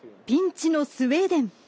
ピンチのスウェーデン。